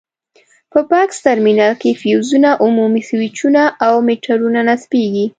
په بکس ترمینل کې فیوزونه، عمومي سویچونه او میټرونه نصبېږي.